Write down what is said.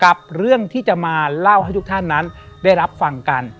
กับเรื่องที่จะมาเล่าให้ทุกท่านนั้นได้รับฟังกัน